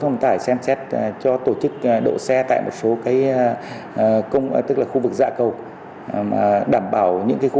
thông tải xem xét cho tổ chức đổ xe tại một số cái tức là khu vực dạ cầu đảm bảo những cái khu